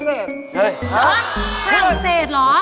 เห้ยรังเศษเหรอเพื่อน